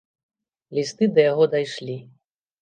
Лісты да яго дайшлі.